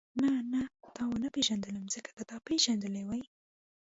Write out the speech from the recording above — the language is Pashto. نه نه تا ونه پېژندلم ځکه که تا پېژندلې وای.